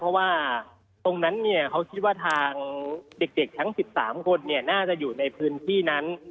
เพราะว่าตรงนั้นเขาคิดว่าทางเด็กทั้ง๑๓คนน่าจะอยู่ในพื้นที่นั้น